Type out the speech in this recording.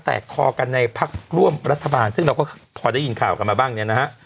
คอกันในพักร่วมรัฐบาลซึ่งเราก็พอได้ยินข่าวกันมาบ้างเนี่ยนะฮะ